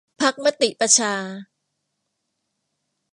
พรรคมติประชา